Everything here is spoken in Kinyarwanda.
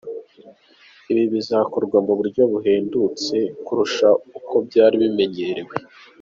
Ibi bizakorwa mu buryo buhendutse kurusha uko byari bimenyerewe.